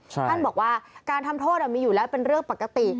ท่านบอกว่าการทำโทษมีอยู่แล้วเป็นเรื่องปกติ